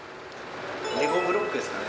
レゴブロックですかね。